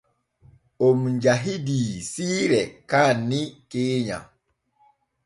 On jahidii siire kaanni keenya.